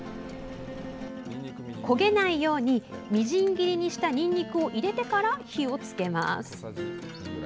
焦げないようにみじん切りにしたニンニクを入れてから、火をつけます。